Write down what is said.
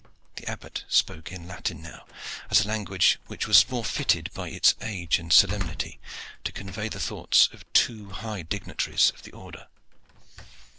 The Abbot spoke in Latin now, as a language which was more fitted by its age and solemnity to convey the thoughts of two high dignitaries of the order.